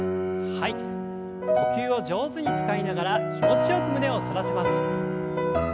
呼吸を上手に使いながら気持ちよく胸を反らせます。